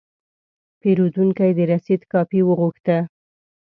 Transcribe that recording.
پیرودونکی د رسید کاپي وغوښته.